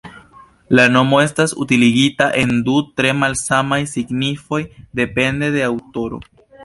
La nomo estas utiligita en du tre malsamaj signifoj depende de aŭtoro.